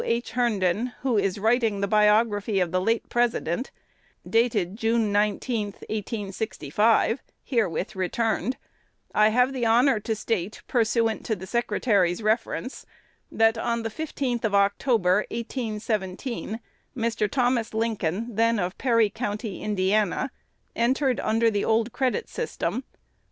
H. Herndon, who is writing the biography of the late President, dated June 19, 1865, herewith returned, I have the honor to state, pursuant to the Secretary's reference, that on the 15th of October, 1817, Mr. Thomas Lincoln, then of Perry County, Indiana, entered under the old credit system, "1.